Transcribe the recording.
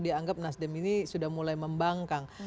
dianggap nasdem ini sudah mulai membangkang